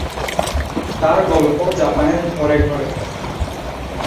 তাঁর গল্প জাপানের ঘরে ঘরে।